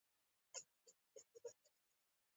کاناډا تلپاتې ده.